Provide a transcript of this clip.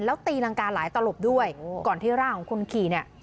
แล้วตีรังกาหลายตลบด้วยก่อนที่ร่างของคนขี่เนี่ย